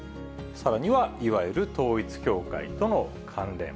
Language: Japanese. さらにはいわゆる統一教会との関連。